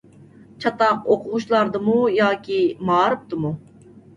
چاتاق ئوقۇغۇچىلاردىمۇ ياكى مائارىپتىمۇ؟